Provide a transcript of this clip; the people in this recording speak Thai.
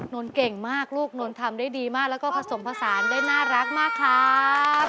นนท์เก่งมากลูกนนทำได้ดีมากแล้วก็ผสมผสานได้น่ารักมากครับ